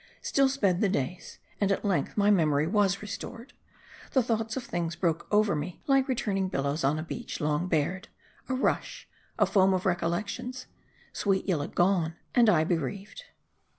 Still sped the days. And at length, my memory was restored. The thoughts of things broke over me like return ing billows on a beach long bared. A rush, a foam of recollections ! Sweet Yillah gone, and I bereaved.